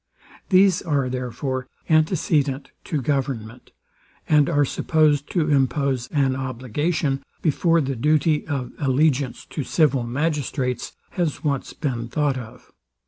These are, therefore, antecedent to government, and are supposed to impose an obligation before the duty of allegiance to civil magistrates has once been thought of.